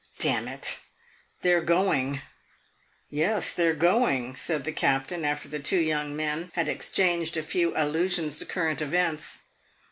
"Damn it, they 're going yes, they 're going," said the Captain, after the two young men had exchanged a few allusions to current events.